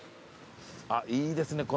あっいいですね